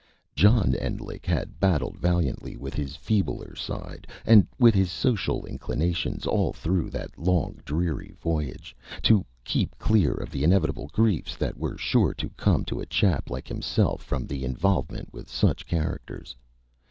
John Endlich had battled valiantly with his feebler side, and with his social inclinations, all through that long, dreary voyage, to keep clear of the inevitable griefs that were sure to come to a chap like himself from involvement with such characters.